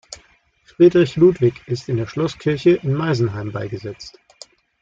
Friedrich Ludwig ist in der Schlosskirche in Meisenheim beigesetzt.